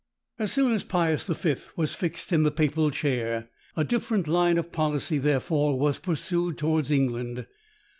As soon as Pius V. was fixed in the papal chair a different line of policy, therefore, was pursued towards England.